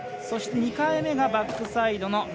そして２回目がバックサイドの９００。